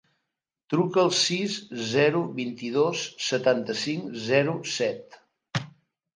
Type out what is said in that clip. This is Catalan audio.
Truca al sis, zero, vint-i-dos, setanta-cinc, zero, set.